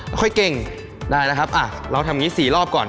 ค่อยเก่งได้นะครับอ่ะเราทำอย่างนี้๔รอบก่อน